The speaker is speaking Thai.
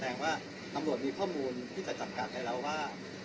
แสดงว่าอำลวดมีข้อมูลที่จะจัดการให้เราว่า